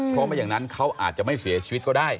เพราะไม่อย่างนั้นเขาอาจจะไม่เสียชีวิตก็ได้